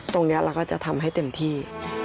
ตรงนี้เราก็จะทำให้เต็มที่